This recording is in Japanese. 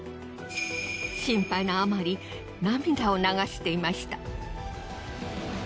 心配のあまり涙を流していました。